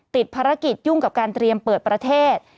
ติดภารกิจยุ่งกับการเตรียมเปิดประเทศ